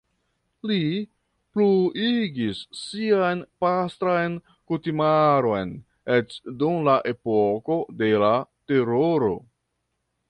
Li pluigis sian pastran kutimaron eĉ dum la epoko de la Teroro.